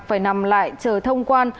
phải nằm lại chờ thông quan